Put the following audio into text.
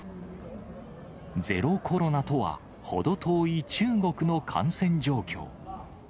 ゼロコロナとはほど遠い中国の感染状況。